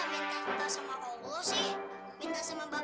menggunakan l venue zakin